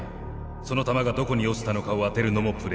その玉がどこに落ちたのかを当てるのもプレーヤーです。